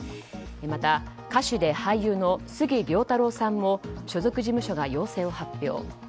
また、歌手で俳優の杉良太郎さんも所属事務所が陽性を発表。